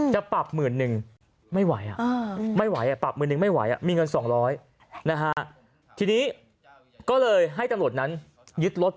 จะปรับหมื่นนึง